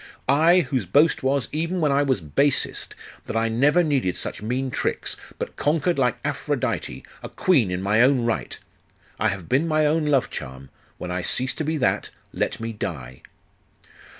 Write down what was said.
I, whose boast was, even when I was basest, that I never needed such mean tricks, but conquered like Aphrodite, a queen in my own right! I have been my own love charm: when I cease to be that, let me die!